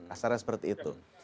asalnya seperti itu